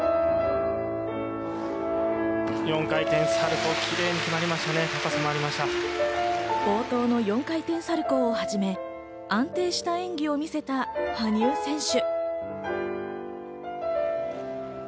４回転サルコー、キレイに決冒頭の４回転サルコーをはじめ、安定した演技を見せた羽生選手。